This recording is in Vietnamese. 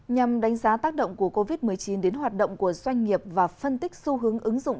nhằm đánh giá tác động của covid một mươi chín đến hoạt động của doanh nghiệp và phân tích xu hướng ứng dụng